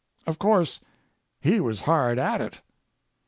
Of course, he was hard at it.